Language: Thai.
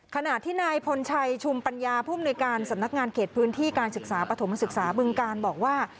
ขณะที่นายพลชัยชุมปัญญาผู้มนุยการสำนักงานเขตพื้นที่การศึกษาปฐมศึกษาบึงการบอกว่า